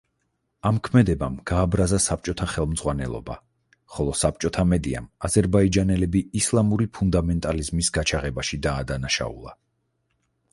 ამ ქმედებამ გააბრაზა საბჭოთა ხელმძღვანელობა, ხოლო საბჭოთა მედიამ აზერბაიჯანელები „ისლამური ფუნდამენტალიზმის გაჩაღებაში“ დაადანაშაულა.